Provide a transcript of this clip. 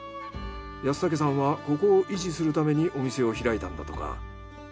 安武さんはここを維持するためにお店を開いたんだとか。